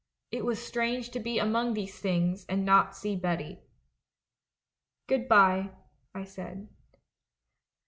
It was strange to be among these things and not see Betty. " 'Good bye,' I said.